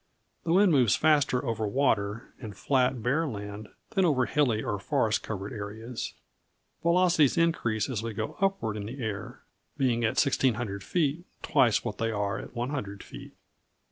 The wind moves faster over water and flat, bare land than over hilly or forest covered areas. Velocities increase as we go upward in the air, being at 1,600 feet twice what they are at 100 feet.